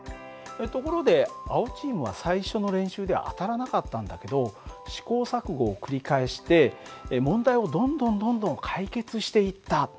ところで青チームは最初の練習で当たらなかったんだけど試行錯誤を繰り返して問題をどんどんどんどん解決していった。